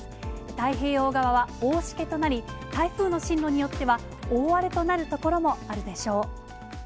太平洋側は大しけとなり、台風の進路によっては、大荒れとなる所もあるでしょう。